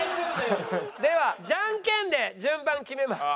ではじゃんけんで順番決めます。